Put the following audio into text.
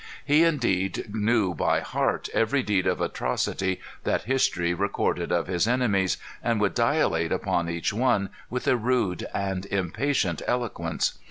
"He indeed knew by heart every deed of atrocity that history recorded of his enemies, and would dilate upon each one, with a rude and impatient eloquence.